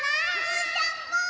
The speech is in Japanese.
うーたんも！